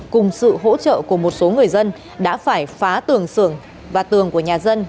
cùng sự hỗ trợ của một số người dân đã phải phá tường xưởng và tường của nhà dân